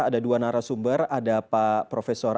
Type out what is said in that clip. ada dua narasumber ada pak profesor